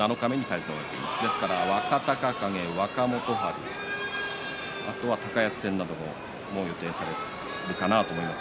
ですから、若隆景、若元春あとは高安戦なども予定されるかなと思います。